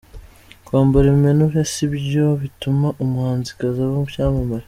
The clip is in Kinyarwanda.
Kwambara impenure si byo bituma umuhanzikazi aba icyamamare